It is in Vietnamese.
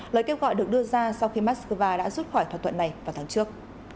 lời kêu gọi được đưa ra sau khi moscow đã rút khỏi thỏa thuận này vào tháng trước